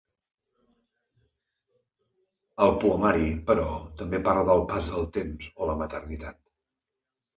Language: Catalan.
El poemari, però, també parla del pas del temps o la maternitat.